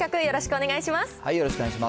よろしくお願いします。